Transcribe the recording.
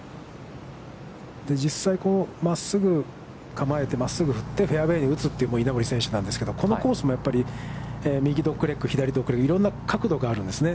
実際真っすぐ構えて真っすぐ振ってフェアウェイに打つというのが稲森選手なんですけど、このコースもやっぱり右ドッグレッグ、左ドッグレッグ、いろんな角度があるんですね。